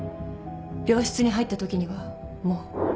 病室に入ったときにはもう。